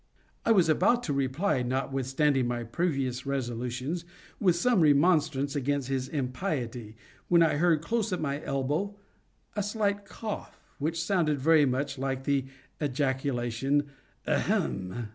I was about to reply, notwithstanding my previous resolutions, with some remonstrance against his impiety, when I heard, close at my elbow, a slight cough, which sounded very much like the ejaculation "ahem!"